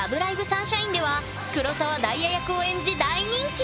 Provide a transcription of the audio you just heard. サンシャイン！！」では黒澤ダイヤ役を演じ大人気！